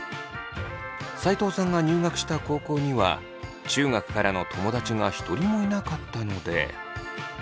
齋藤さんが入学した高校には中学からの友だちが一人もいなかったので。